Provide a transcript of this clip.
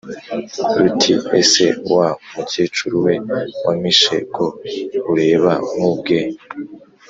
ruti:" ese wa mukecuru we wampishe ko ureba nkubwe!"